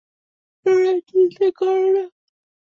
Nora, চিন্তা করো না।